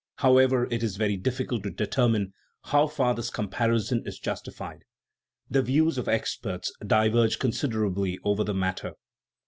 However, it is very difficult to determine how far this comparison is justified; the views of experts diverge considerably over the matter.